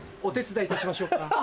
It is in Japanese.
お手伝いいたしましょうか？